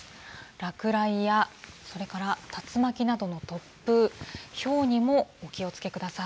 落雷やそれから竜巻などの突風、ひょうにもお気をつけください。